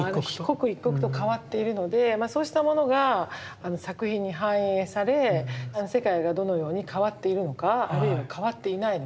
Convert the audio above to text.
刻一刻と変わっているのでそうしたものが作品に反映され世界がどのように変わっているのかあるいは変わっていないのか。